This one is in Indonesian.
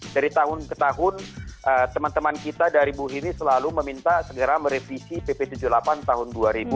dari tahun ke tahun teman teman kita dari bu hini selalu meminta segera merevisi pp tujuh puluh delapan tahun dua ribu dua